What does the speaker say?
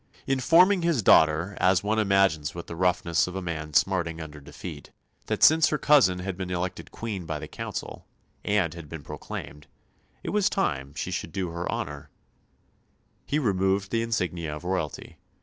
Informing his daughter, as one imagines with the roughness of a man smarting under defeat, that since her cousin had been elected Queen by the Council, and had been proclaimed, it was time she should do her honour, he removed the insignia of royalty.